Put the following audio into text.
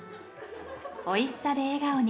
「おいしさで笑顔に」